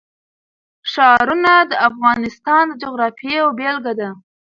ښارونه د افغانستان د جغرافیې یوه بېلګه ده.